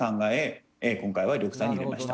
今回は呂布さんに入れました。